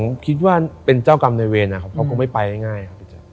ผมคิดว่าเป็นเจ้ากรรมในเวรนะครับเขาก็ไม่ไปง่ายครับพี่แจ๊ค